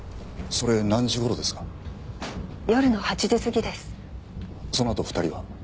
そのあと２人は？